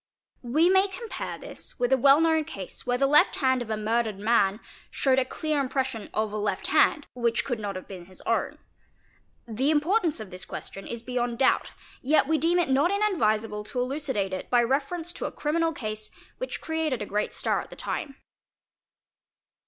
We may compare this with a well known case where the left hand of a murdered man showed a clear impression of a left hand—which could not have been his own. The importance of this question is beyond doubt, yet we deem it not inadvisable to elucidate it by reference to a criminal case which created a great stir at the time.